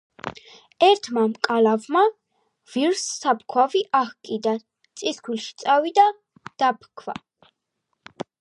ერთმა მკალავმა ვირს საფქვავი აჰკიდა წისქვილში წავიდა, დაფქვა.